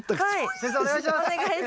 先生お願いします！